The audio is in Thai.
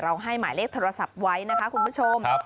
ให้หมายเลขโทรศัพท์ไว้นะคะคุณผู้ชม